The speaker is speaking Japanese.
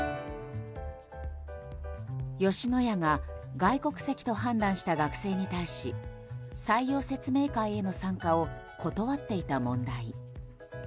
吉野家が外国籍と判断した学生に対し採用説明会への参加を断っていた問題。